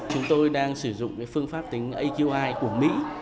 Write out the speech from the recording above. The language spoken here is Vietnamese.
chúng tôi đang sử dụng phương pháp tính aqi của mỹ